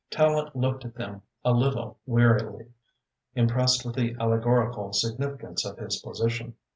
Tallente looked at them a little wearily, impressed with the allegorical significance of his position.